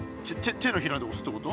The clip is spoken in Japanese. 手のひらでおすってこと？